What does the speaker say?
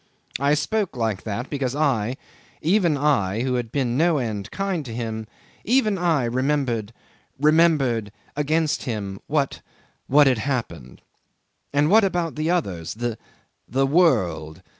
I spoke like that because I even I, who had been no end kind to him even I remembered remembered against him what what had happened. And what about others the the world?